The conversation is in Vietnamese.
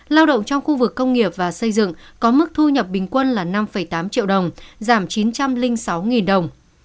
lao động trong khu vực công nghiệp và xây dựng có mức thu nhập bình quân là năm tám triệu đồng giảm chín trăm linh sáu đồng